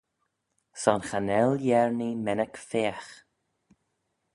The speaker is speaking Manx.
Son cha nel Yernee mennick feagh.